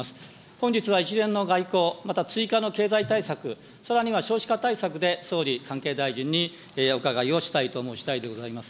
本日は一連の外交、また追加の経済対策、さらには少子化対策で、総理、関係大臣にお伺いをしたいと思うしだいでございます。